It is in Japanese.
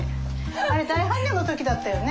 あれ大般若の時だったよね。